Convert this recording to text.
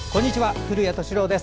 古谷敏郎です。